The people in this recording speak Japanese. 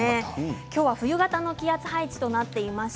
今日は冬型の気圧配置となっています。